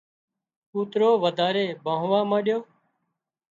ڪوترو وڌاري ڀانهوا مانڏيو